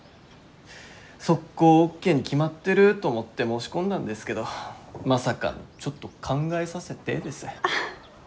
速攻ＯＫに決まってると思って申し込んだんですけどまさか「ちょっと考えさせて」です。